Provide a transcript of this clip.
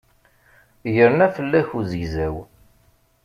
Yerna fell-ak uzegzaw.